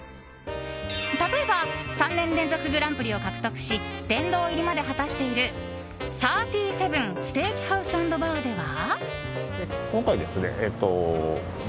例えば３年連続グランプリを獲得し殿堂入りまで果たしている３７ステーキハウス＆バーでは。